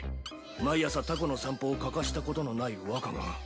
毎朝タコの散歩を欠かしたことのない若が。